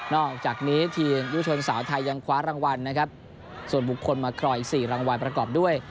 อกจากนี้ทีมยุชนสาวไทยยังคว้ารางวัลนะครับส่วนบุคคลมาครองอีก๔รางวัลประกอบด้วย